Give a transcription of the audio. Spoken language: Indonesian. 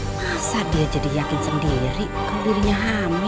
masa dia jadi yakin sendiri kalau dirinya hamil